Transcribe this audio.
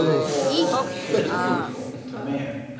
For woman is beautiful ... to man.